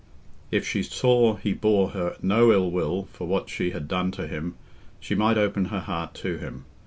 If she saw he bore her no ill will for what she had done to him, she might open her heart to him.